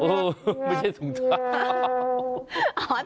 ไม่ใช่ถุงเท้า